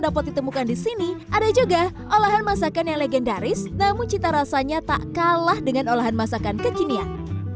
dapat ditemukan di sini ada juga olahan masakan yang legendaris namun cita rasanya tak kalah dengan olahan masakan kekinian